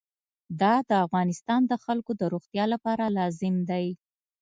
دا د افغانستان د خلکو د روغتیا لپاره لازم دی.